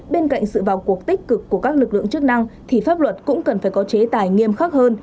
bên cạnh sự vào cuộc tích cực của các lực lượng chức năng thì pháp luật cũng cần phải có chế tài nghiêm khắc hơn